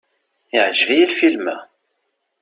Iɛǧeb-iyi lfilm-a.